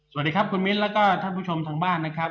สวัสดีครับคุณมิ้นแล้วก็ท่านผู้ชมทางบ้านนะครับ